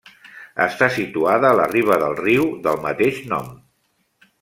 Està situada a la riba del riu del mateix nom.